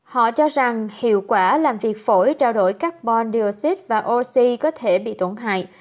họ cho rằng hiệu quả làm việc phổi trao đổi carbon dioxid và oxy có thể bị tổn hại